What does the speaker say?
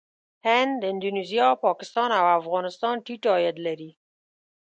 هند، اندونیزیا، پاکستان او افغانستان ټيټ عاید لري.